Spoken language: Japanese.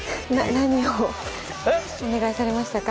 何をお願いされましたか？